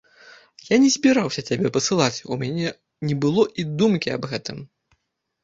Я не збіраўся цябе пасылаць, у мяне не было і думкі аб гэтым.